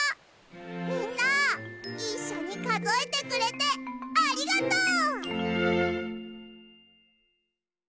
みんないっしょにかぞえてくれてありがとう！